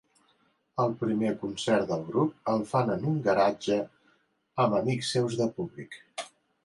El primer concert del grup el fan en un garatge amb amics seus de públic.